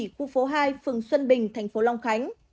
khu phố hai phường xuân bình tp long khánh